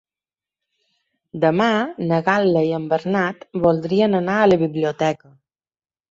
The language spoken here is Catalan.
Demà na Gal·la i en Bernat voldria anar a la biblioteca.